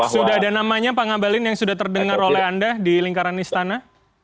sudah ada namanya pak ngabalin yang sudah terdengar oleh anda di lingkaran istana